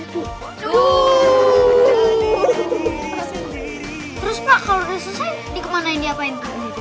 terus pak kalau udah susah dikemanain diapain